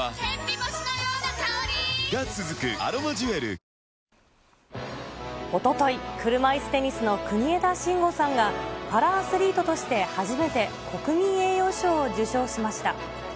三菱電機おととい、車いすテニスの国枝慎吾さんが、パラアスリートとして初めて国民栄誉賞を受賞しました。